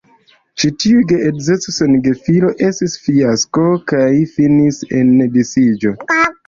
Ĉi tiu geedzeco sen gefiloj estis fiasko kaj finis en disiĝo.